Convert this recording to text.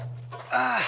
ああ。